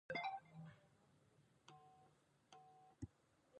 Laws or court rules provide the recusal of judges.